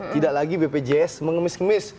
tidak lagi bpjs mengemis ngemis